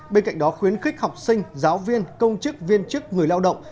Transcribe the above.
bên cạnh đó khuyến khích học sinh giáo viên công chức viên chức người lao động